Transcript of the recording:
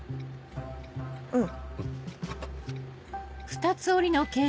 うん。